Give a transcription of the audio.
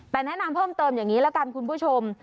แต่แนะนำเพิ่มเติมอย่างนี้ละกันคุณผู้ชม